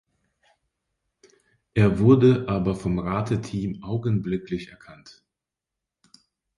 Er wurde aber vom Rateteam augenblicklich erkannt.